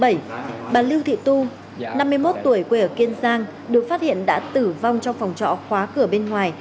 bà lưu thị tu năm mươi một tuổi quê ở kiên giang được phát hiện đã tử vong trong phòng trọ khóa cửa bên ngoài